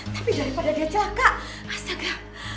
tapi daripada dia celaka astaga